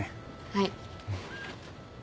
はい。